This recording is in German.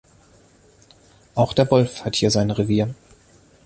Auch der Wolf hat hier sein Revier.